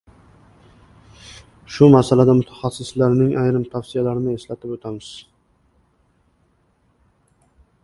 Shu masalada mutaxassislarning ayrim tavsiyalarini eslatib o‘tamiz.